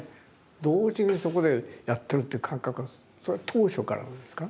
同時にそこでやってるって感覚はそれは当初からなんですか？